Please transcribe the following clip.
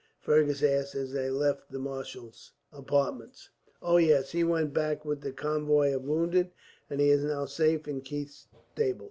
Fergus asked, as they left the marshal's apartments. "Oh, yes! He went back with the convoy of wounded, and he is now safe in Keith's stable.